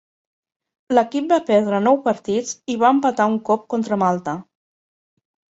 L'equip va perdre nou partits i va empatar un cop contra Malta.